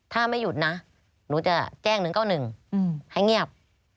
ถ้าไม่หยุดนะหนูจะแจ้ง๑๙๑ให้เงียบ